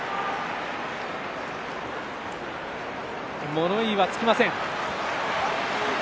物言いはつきません。